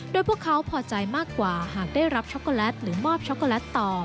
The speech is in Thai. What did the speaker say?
โดยพวกเขาพอใจมากกว่าหากได้รับช็อกโกแลตหรือมอบช็อกโกแลตต่อ